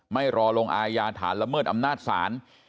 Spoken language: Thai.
ไม่รอลงอายาฐานละเมิดอำนาจศาล